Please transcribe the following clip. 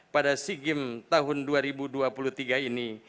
pada sigim tahun dua ribu dua puluh tiga ini